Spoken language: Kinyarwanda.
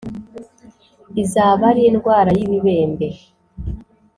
izaba ari indwara y ibibembe